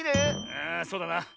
ああそうだな。